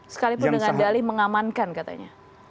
sekalipun dengan dalih mengamankan katanya